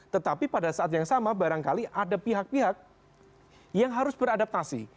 tetapi pada saat yang sama barangkali ada pihak pihak yang harus beradaptasi